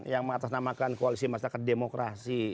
yang mengatasnamakan koalisi masyarakat demokrasi